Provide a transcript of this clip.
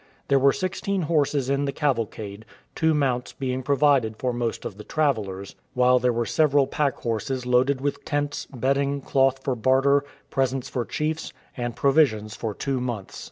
There were sixteen horses in the cavalcade, two mounts being provided for most of the travellers, while there were several pack horses loaded with tents, bedding, cloth for barter, presents for chiefs, and provisions for two months.